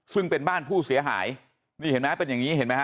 ซึ่งเป็นบ้านผู้เสียหายนี่เห็นไหมเป็นอย่างนี้เห็นไหมฮ